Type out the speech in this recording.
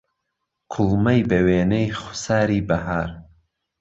کوڵمەی به وێنەی خوساری بههار